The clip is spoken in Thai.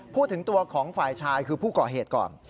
พูดถึงตัวของฝ่ายชายคือผู้ก่อเหตุก่อน